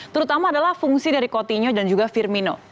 terutama adalah fungsi dari coutinho dan juga firmino